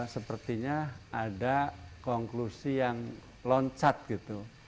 sepertinya ada konklusi yang loncat gitu